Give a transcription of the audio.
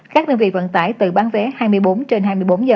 các đơn vị vận tải từ bán vé hai mươi bốn h trên hai mươi bốn h